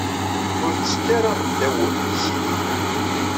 Ur ttekk ara ddaw yisiliyen.